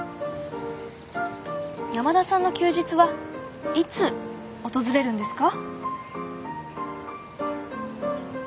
山田さんの休日はいつ訪れるんですか？